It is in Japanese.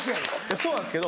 そうなんですけど。